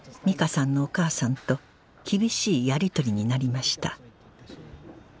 美香さんのお母さんと厳しいやりとりになりました